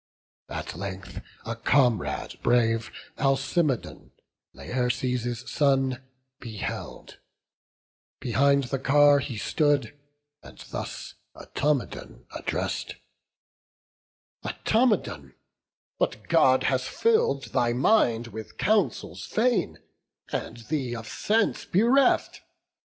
At length a comrade brave, Alcimedon, Laerces' son, beheld; behind the car He stood, and thus Automedon address'd: "Automedon, what God has fill'd thy mind With counsels vain, and thee of sense bereft?